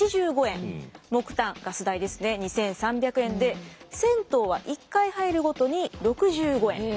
木炭ガス代ですね２，３００円で銭湯は１回入るごとに６５円。